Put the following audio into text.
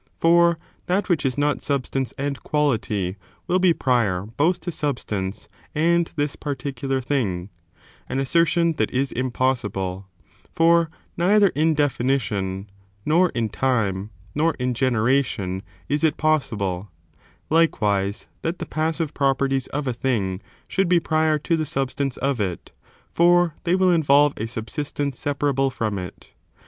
For that which is not substance and quality will be prior both to substance and this particular thing ; an assertion that is impossible : for neither in definition, nor in time, nor in generation, is it possible, likewise, that the passive properties of a thing should be prior to the substance of it, for they will involve a subsistence separable from it.